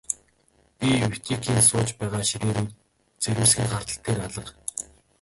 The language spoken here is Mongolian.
Би Витекийн сууж байгаа ширээ рүү зэрвэсхэн хартал тэр алга.